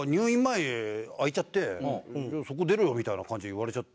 そこ出ろよみたいな感じに言われちゃって。